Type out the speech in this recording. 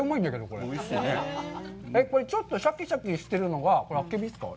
これ、ちょっとシャキシャキしてるのがこれ、あけびっすか？